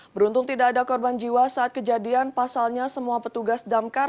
beruntung tidak ada korban jiwa saat kejadian pasalnya semua petugas damkar